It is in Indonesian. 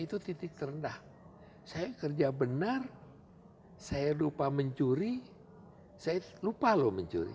itu titik terendah saya kerja benar saya lupa mencuri saya lupa loh mencuri